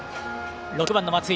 ６番の松井。